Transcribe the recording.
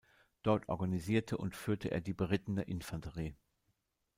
Dort organisierte und führte er die berittene Infanterie.